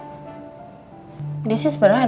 ibu malah jadi kasihan ya sama si botol kecap